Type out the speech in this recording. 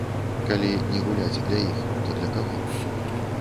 Калі не гуляць для іх, то для каго?